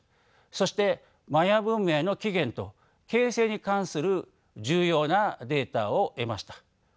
そしてマヤ文明の起源と形成に関する重要なデータを得ました。